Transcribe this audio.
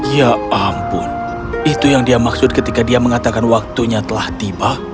ya ampun itu yang dia maksud ketika dia mengatakan waktunya telah tiba